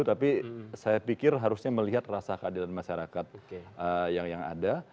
tapi saya pikir harusnya melihat rasa keadilan masyarakat yang ada